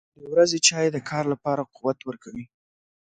• د ورځې چای د کار لپاره قوت ورکوي.